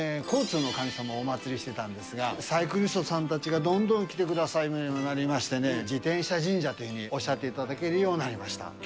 交通の神様をお祭りしてたんですが、サイクリストさんたちがどんどん来てくださるようになりましてね、自転車神社というふうにおっしゃっていただけるようになりました。